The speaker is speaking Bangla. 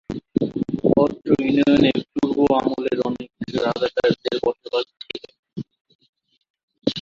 অত্র ইউনিয়নে পূর্ব আমলে অনেক রাজাদের বসবাস ছিল।